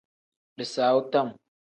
Bisaawu tam.